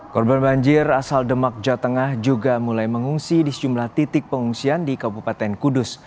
korban banjir asal demak jawa tengah juga mulai mengungsi di sejumlah titik pengungsian di kabupaten kudus